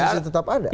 oposisi tetap ada